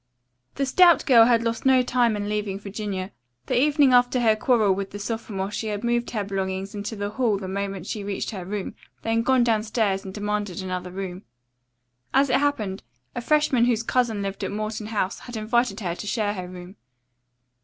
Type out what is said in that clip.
The stout girl had lost no time in leaving Virginia. The evening after her quarrel with the sophomore she had moved her belongings into the hall the moment she reached her room, then gone downstairs and demanded another room. As it happened, a freshman whose cousin lived at Morton House had invited her to share her room.